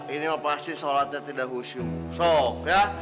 ini pasti sholatnya tidak khusyuk